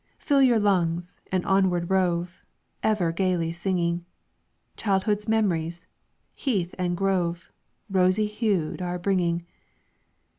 Fill your lungs, and onward rove, Ever gayly singing, Childhood's memories, heath and grove, Rosy hued, are bringing.